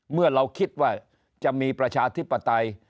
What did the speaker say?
เมื่อเราคิดว่าจะมีประชาธิปไตย